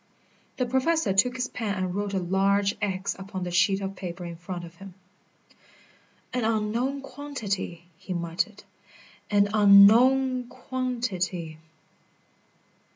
The Professor took his pen and wrote a large X upon the sheet of paper in front of him. "An unknown quantity!" he muttered. "An unknown quantity!"